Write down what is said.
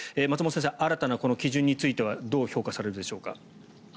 松本先生、新たな基準についてはどう評価されるでしょうか。